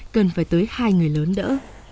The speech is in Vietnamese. cần phải tới hai người lớn đỡ